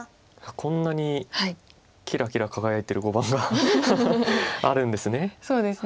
こんなにキラキラ輝いてる碁盤があるんですね。